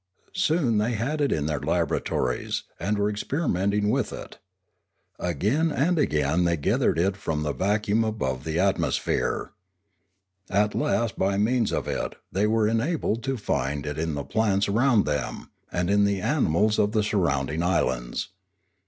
Soon they had it in their laboratories, and were experimenting with it. Again and again they gathered it from the vacuum Pioneering 441 above the atmosphere. At last by means of it they were enabled to find it in the plants around them, and in the animals of the surrounding islands.